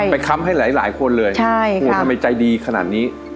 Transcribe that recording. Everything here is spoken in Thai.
ค้ำให้หลายคนเลยทำไมใจดีขนาดนี้